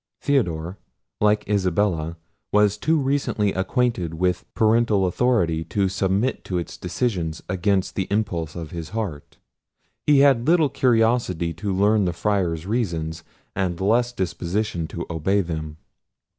Theodore, like Isabella, was too recently acquainted with parental authority to submit to its decisions against the impulse of his heart. He had little curiosity to learn the Friar's reasons, and less disposition to obey them.